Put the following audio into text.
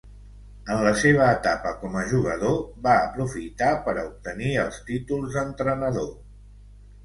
En la seva etapa com a jugador va aprofitar per a obtenir els títols d'entrenador.